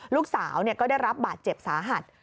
ลูกสาวก็ได้รับบาดเจ็บสาหัส